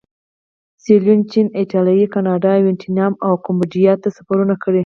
سیلون، چین، ایټالیې، کاناډا، ویتنام او کمبودیا ته سفرونه کړي.